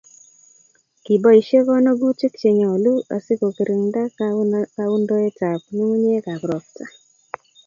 Kiboisie konogutik chenyolu asikogirinda kaundoetap ngungunyek ropta